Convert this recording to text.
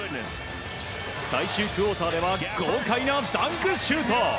最終クオーターでは豪快なダンクシュート！